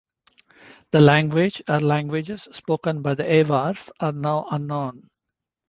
The language or languages spoken by the Avars are now unknown.